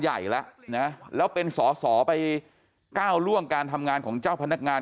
ใหญ่แล้วนะแล้วเป็นสอสอไปก้าวล่วงการทำงานของเจ้าพนักงาน